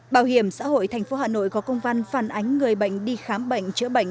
bảo hiểm xã hội tp hà nội có công văn phản ánh người bệnh đi khám bệnh chữa bệnh